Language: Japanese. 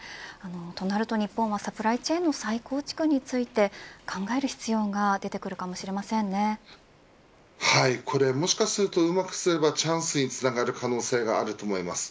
となると日本はサプライチェーンの再構築について考える必要がもしかするとうまくすればチャンスにつながる可能性があると思います。